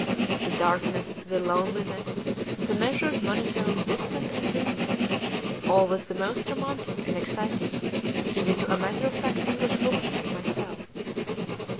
The darkness, the loneliness, the measured monotone, distant and dreamy, all was most romantic and exciting, even to a matter of fact English woman like myself.